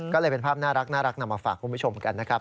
ก็เลยเป็นภาพน่ารักนำมาฝากคุณผู้ชมกันนะครับ